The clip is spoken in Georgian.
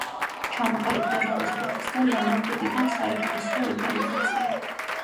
ჩამოყალიბდა რომის პაპისგან დამოუკიდებელ საეკლესიო ორგანიზაციად.